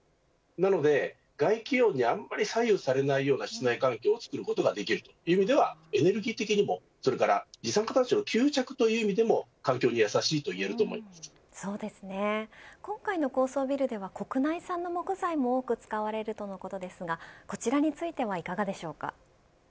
なので、外気温にあまり左右されないような室内環境を作ることができるという意味ではエネルギー的にも二酸化炭素の吸着という意味でも環境に優しいと今回の高層ビルでは国内産の木材も多く使われるということですがこちらについてはいかがですか。